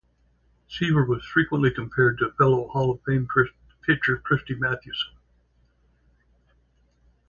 Seaver was frequently compared to fellow Hall of Fame pitcher Christy Mathewson.